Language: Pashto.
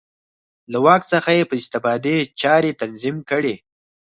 له واک څخه یې په استفادې چارې تنظیم کړې.